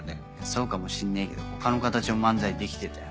そうかもしんねえけど他の形の漫才できてたよ。